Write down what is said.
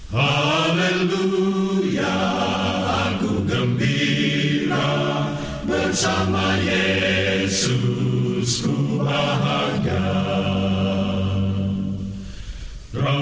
haleluya aku gembira bersama yesus ku bahagia